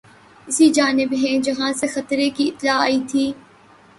اسی جانب ہیں جہاں سے خطرے کی اطلاع آئی تھی